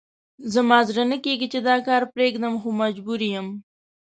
زما زړه نه کېږي چې دا کار پرېږدم، خو مجبور یم.